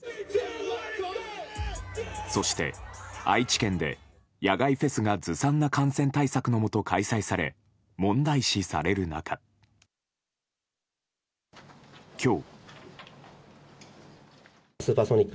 そして、愛知県で野外フェスがずさんな感染対策のもと開催され問題視される中今日。